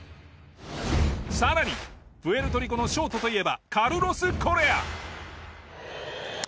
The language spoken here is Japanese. さらにプエルトリコのショートといえばカルロス・コレア。